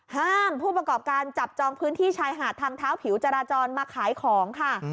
ผู้ประกอบการจับจองพื้นที่ชายหาดทางเท้าผิวจราจรมาขายของค่ะ